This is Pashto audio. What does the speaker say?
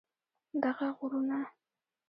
دغه غرونه